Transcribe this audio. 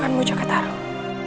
aku akan menang